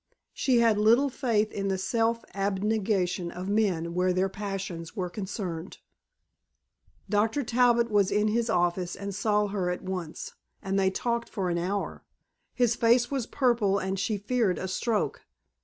She had little faith in the self abnegation of men where their passions were concerned. Dr. Talbot was in his office and saw her at once, and they talked for an hour. His face was purple and she feared a stroke.